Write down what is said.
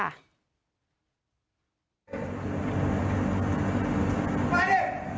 มาด้วย